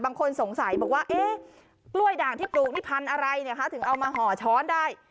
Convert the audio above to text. บางคนสงสัยบอกว่าเอ๊ะกล้วยด่างที่ปลูกนี่พันธุ์อะไรเนี่ยคะถึงเอามาห่อช้อนได้